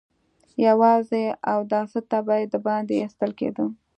يواځې اوداسه ته به د باندې ايستل کېده.